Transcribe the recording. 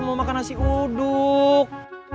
mau makan nasi uduk